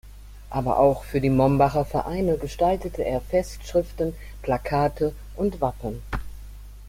Aber auch für die Mombacher Vereine gestaltete er Festschriften, Plakate und Wappen.